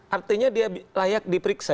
artinya dia layak diperiksa